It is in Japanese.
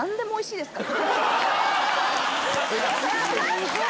すごい！